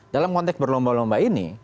dalam konteks berlomba lomba ini